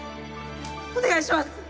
お願いします！